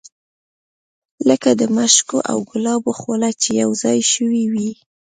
لکه د مشکو او ګلابو خوله چې یو ځای شوې وي.